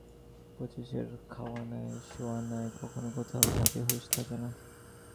শচীশের খাওয়া নাই, শোওয়া নাই, কখন কোথায় থাকে হুঁশ থাকে না।